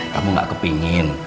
kamu nggak kepingin